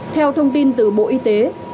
theo thông tin từ bộ y tế